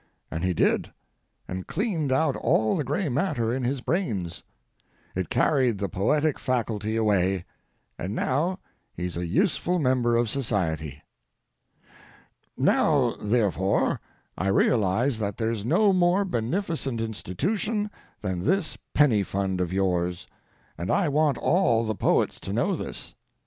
and he did, and cleaned out all the gray matter in his brains. It carried the poetic faculty away, and now he's a useful member of society. Now, therefore, I realize that there's no more beneficent institution than this penny fund of yours, and I want all the poets to know this.